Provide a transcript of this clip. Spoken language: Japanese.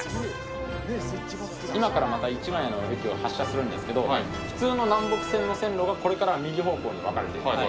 今からまた市ケ谷の駅を発車するんですけど普通の南北線の線路がこれから右方向に分かれていきます。